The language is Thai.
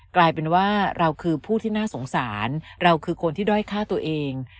กลายเป็นว่าเราคือผู้ที่น่าสงสารเราคือคนที่ด้อยฆ่าตัวเอง